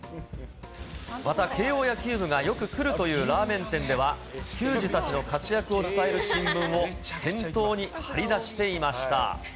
また慶応野球部がよく来るというラーメン店では、球児たちの活躍を伝える新聞を店頭に貼り出していました。